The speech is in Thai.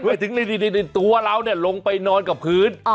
ถึงตัวเราลงไปนอนกับพื้น